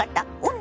女